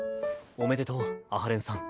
おめでとう阿波連さん。